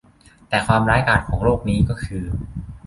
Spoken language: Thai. แต่ความร้ายกาจของโรคนี้ก็คือ